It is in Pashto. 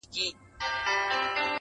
بوی د اصیل ګلاب په کار دی،